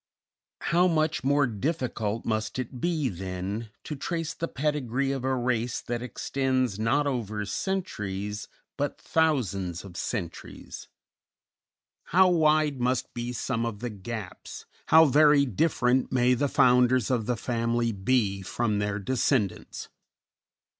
How much more difficult must it be, then, to trace the pedigree of a race that extends, not over centuries, but thousands of centuries; how wide must be some of the gaps, how very different may the founders of the family be from their descendants!